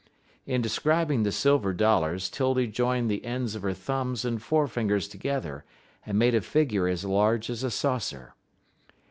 In describing the silver dollars 'Tildy joined the ends of her thumbs and fore fingers together, and made a figure as large as a saucer.